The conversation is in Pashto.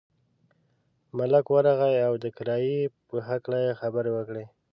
ملنګ ورغئ او د کرایې په هکله یې خبرې وکړې.